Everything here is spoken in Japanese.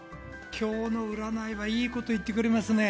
今日の占いはいいこと言ってくれますね。